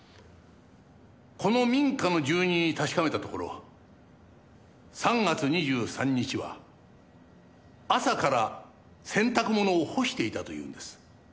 この民家の住人に確かめたところ３月２３日は朝から洗濯物を干していたと言うんです。